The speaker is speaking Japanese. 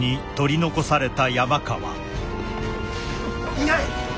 いない！